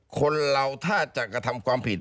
คนเราถ้าจะกระทำความผิด